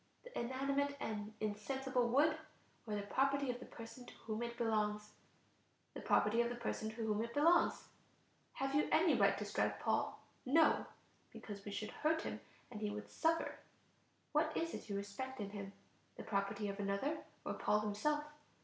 the inanimate and insensible wood, or the property of the person to whom it belongs? The property of the person to whom it belongs. Have you any right to strike Paul? No, because we should hurt him and he would suffer. What is it you respect in him? the property of another, or Paul himself?